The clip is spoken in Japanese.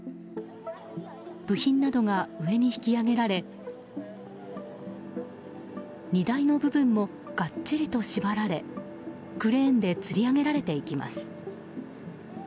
部品などが上に引き揚げられ荷台の部分もがっちりと縛られクレーンでつり上げられていきます。